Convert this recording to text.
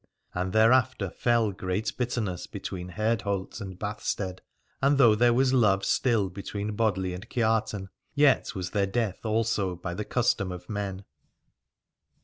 And thereafter fell great bitterness between Herdholt and Bath stead, and though there was love still between Bodli and Kiartan, yet was there death also by the custom of men.